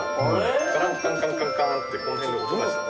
カランカンカンカンカーンってこの辺で音がしたの。